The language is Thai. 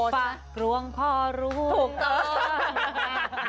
ฝากรวงพอรุถูกต้อง